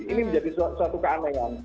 ini menjadi suatu keanehan